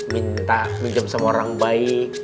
minta pinjam sama orang baik